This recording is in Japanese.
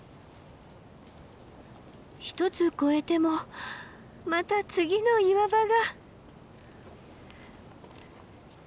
一つ越えてもまた次の岩場が。